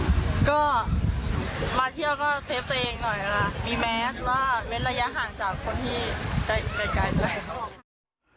ที่จะเดินทางเข้ามาบางแสงก็มาเที่ยวก็เซฟต์เองหน่อยล่ะ